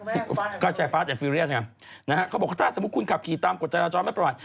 ฟาสครับคุณแม่ฟาสฟาสแอดฟิเรียสนะฮะเขาบอกถ้าสมมุติคุณขับขี่ตามกฎจรไม่ประมาท